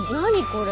これ。